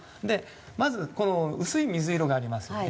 まずこの薄い水色がありますよね。